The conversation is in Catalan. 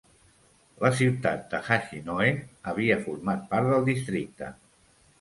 La ciutat de Hachinohe havia format part del districte.